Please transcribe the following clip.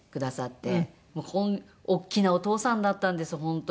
大きなお父さんだったんです本当に。